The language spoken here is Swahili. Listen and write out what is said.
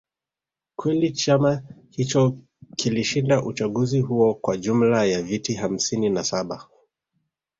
kweli chama hicho kilishinda uchaguzi huo kwa jumla ya viti hamsini na saba